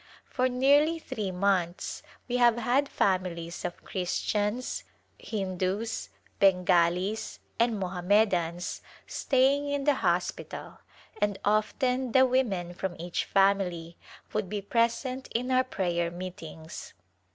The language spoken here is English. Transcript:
For nearlv three months we have had families of Christians, Hindus, Bengalis and Mohammedans stay ing in the hospital and often the women from each family would be present in our prayer meetings.